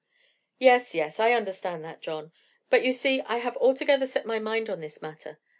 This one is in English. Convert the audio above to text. "Yes, yes, I understand that, John; but you see I have altogether set my mind on this matter.